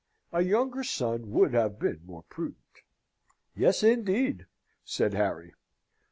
A younger son would have been more prudent." "Yes, indeed," said Harry.